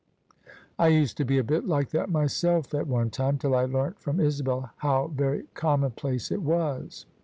I used to be a bit like that myself at one time, till I learnt from Isabel how very commonplace it was."